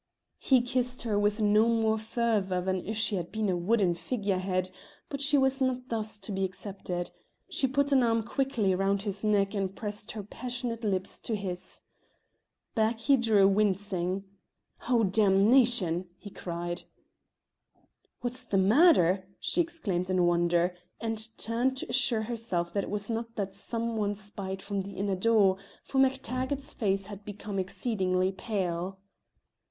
He kissed her with no more fervour than if she had been a wooden figurehead, but she was not thus to be accepted: she put an arm quickly round his neck and pressed her passionate lips to his. Back he drew wincing. "Oh, damnation!" he cried. "What's the matter?" she exclaimed in wonder, and turned to assure herself that it was not that some one spied from the inner door, for Mac Taggart's face had become exceeding pale.